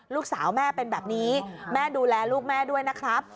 ลูกสาวแม่เป็นแบบนี้แม่ดูแลลูกแม่ด้วยนะครับ